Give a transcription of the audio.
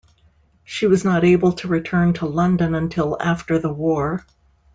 She was not able to return to London until after the war.